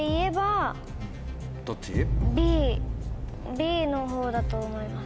Ｂの方だと思います。